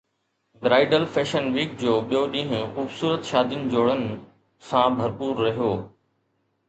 bridal fashion week جو ٻيو ڏينهن خوبصورت شادين جوڙن سان ڀرپور رهيو